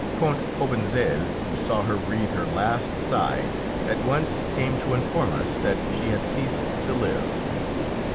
Count Cobentzel, who saw her breathe her last sigh, at once came to inform us that she had ceased to live.